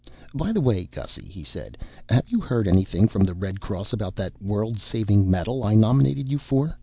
"By the way, Gussy," he said, "have you heard anything from the Red Cross about that world saving medal I nominated you for?